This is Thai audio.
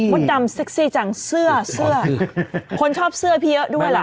ดำเซ็กซี่จังเสื้อเสื้อคนชอบเสื้อพี่เยอะด้วยล่ะ